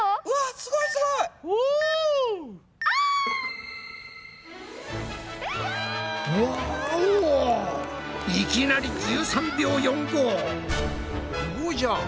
すごいじゃん！